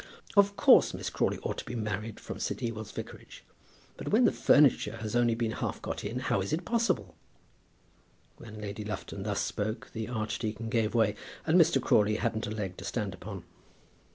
"Of course Miss Crawley ought to be married from St. Ewolds vicarage; but when the furniture has only half been got in, how is it possible?" When Lady Lufton thus spoke, the archdeacon gave way, and Mr. Crawley hadn't a leg to stand upon.